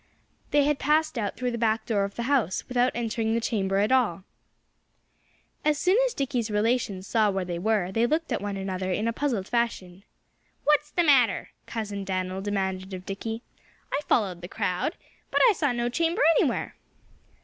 They had passed out through the back door of the house, without entering the chamber at all! As soon as Dickie's relations saw where they were they looked at one another in a puzzled fashion. "What's the matter?" Cousin Dan'l demanded of Dickie. "I followed the crowd. But I saw no chamber anywhere."